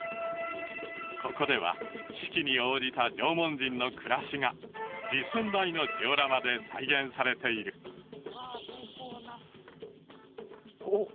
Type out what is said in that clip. ここでは四季に応じた縄文人の暮らしが実寸大のジオラマで再現されているおっ